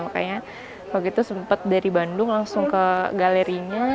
makanya waktu itu sempat dari bandung langsung ke galerinya